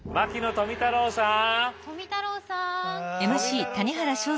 富太郎さん。